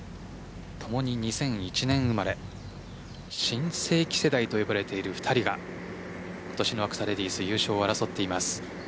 共に２００１年生まれ新世紀世代と呼ばれている２人が今年のアクサレディス優勝を争っています。